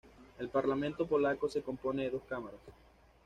El parlamento polaco se compone de dos cámaras.